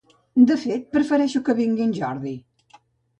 De fet, prefereixo que vingui en Jordi